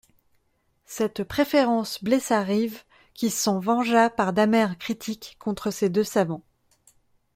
Cette préférence blessa Rive qui s’en vengea par d’amères critiques contre ces deux savants.